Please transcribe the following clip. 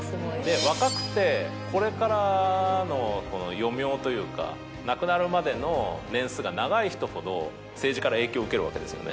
若くてこれからの余命というか亡くなるまでの年数が長い人ほど政治から影響を受けるわけですよね。